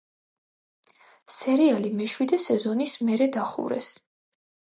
სერიალი მეშვიდე სეზონის მერე დახურეს.